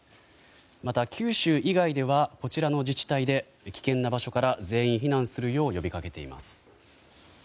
また九州以外ではこちらの自治体で危険な場所から全員避難するよう呼び掛けています。